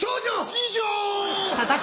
次女！